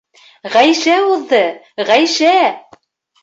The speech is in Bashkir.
— Ғәйшә уҙҙы, Ғәйшә!